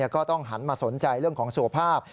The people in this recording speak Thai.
ก็ต้องหันมาสนใจเรื่องของสุขภาพ